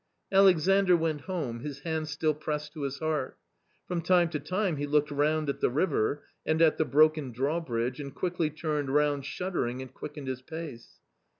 Alexandr went home, his hand still pressed to his heart. From time to time he looked round at the river, and at the broken drawbridge, and quickly turned round shuddering and quickened his pace.